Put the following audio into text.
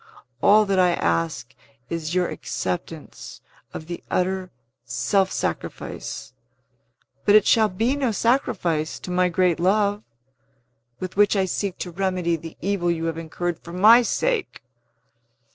All that I ask is your acceptance of the utter self sacrifice (but it shall be no sacrifice, to my great love) with which I seek to remedy the evil you have incurred for my sake!"